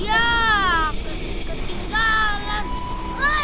ya kasing kasing jalan